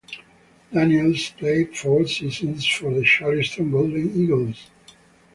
Daniels played four seasons for the Charleston Golden Eagles.